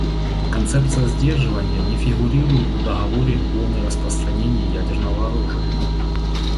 Концепция сдерживания не фигурирует в Договоре о нераспространении ядерного оружия.